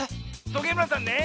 トゲむらさんね